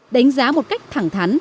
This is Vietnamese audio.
đánh giá một cách thẳng thắn